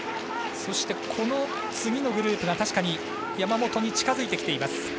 そしてこの次のグループが確かに山本に近づいてきています。